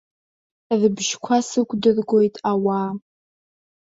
Рыбжьқәа сықәдыргоит ауаа.